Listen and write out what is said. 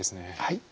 はい。